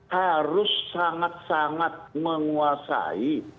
harus sangat sangat menguasai